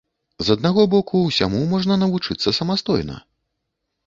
З аднаго боку, усяму можна навучыцца самастойна.